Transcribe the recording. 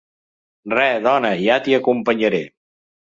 Re, dona, ja t'hi acompanyaré.